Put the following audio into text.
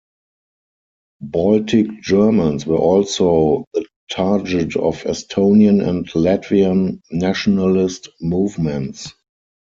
Baltic Germans were also the target of Estonian and Latvian nationalist movements.